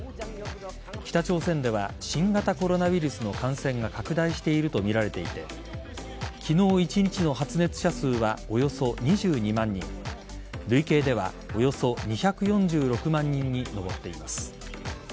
北朝鮮では新型コロナウイルスの感染が拡大しているとみられていて昨日１日の発熱者数はおよそ２２万人累計ではおよそ２４６万人に上っています。